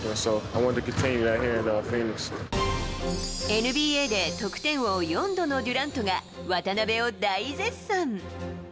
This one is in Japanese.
ＮＢＡで得点王４度のデュラントが、渡邊を大絶賛。